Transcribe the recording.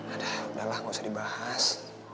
aduh udahlah gak usah dibahas